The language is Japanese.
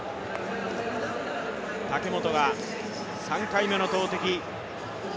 武本が３回目の投てき。